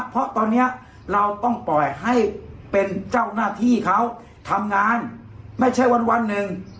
เพราะตอนนี้เราต้องปล่อยให้เป็นเจ้าหน้าที่เขาทำงานไม่ใช่วันหนึ่ง